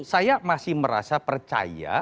saya masih merasa percaya